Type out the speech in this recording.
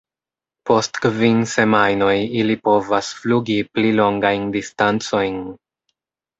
Post kvin semajnoj ili povas flugi pli longajn distancojn.